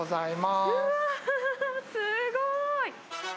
すごーい。